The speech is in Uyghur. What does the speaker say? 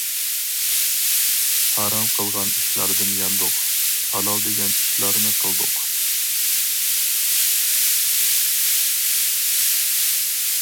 ھارام قىلغان ئىشلاردىن ياندۇق، ھالال دېگەن ئىشلارنى قىلدۇق.